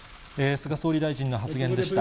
菅総理大臣の発言でした。